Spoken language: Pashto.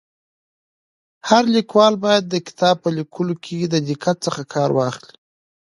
هر لیکوال باید د کتاب په ليکلو کي د دقت څخه کار واخلي.